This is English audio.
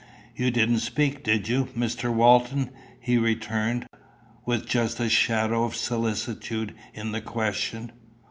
"You didn't speak, did you, Mr. Walton," he returned, with just a shadow of solicitude in the question.